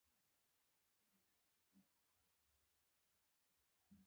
غلی کېناست، مخامخ يې وکتل، د مڼو ګنې ونې ولاړې وې.